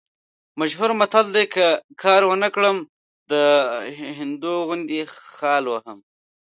مشهور متل دی: که کار ونه کړم، د هندو غوندې خال وهم.